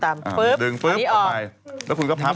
แต่ขุนแซ่บมาก